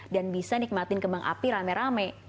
dan bisa nikmatin kembang api rame rame